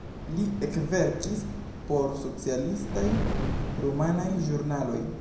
Li ekverkis por socialistaj rumanaj ĵurnaloj.